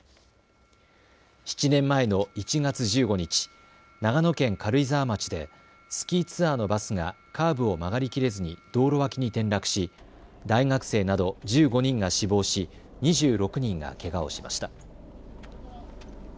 ７年前の１月１５日、長野県軽井沢町でスキーツアーのバスがカーブを曲がりきれずに道路脇に転落し大学生など１５人が死亡し２６人がけがをしました。